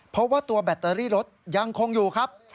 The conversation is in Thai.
เพราะว่าตัวแบตเตอรี่รถยังคงอยู่ครับ